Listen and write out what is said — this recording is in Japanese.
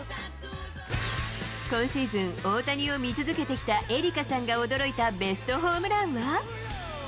今シーズン、大谷を見続けてきたエリカさんが驚いたベストホームランは。